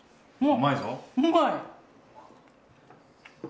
うまい！